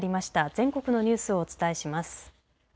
全国のニュースをお伝えします。